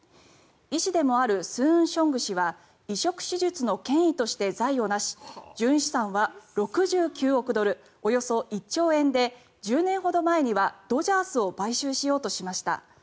医師でもあるスーンショング氏は移植手術の権威として財を成し純資産は６９億ドルおよそ１兆円で１０年ほど前には、ドジャースを買収しようとしました。